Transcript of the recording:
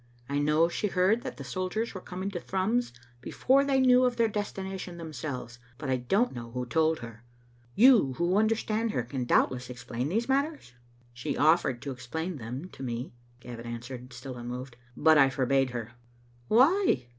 I know she heard that the soldiers were coming to Thrums before they knew of their destination themselves, but I don't know who told her. You who understand her can doubtless explain these matters?" " She oflEered to explain them to me," Gavin answered, still unmoved, " but I forbade her." "Why?"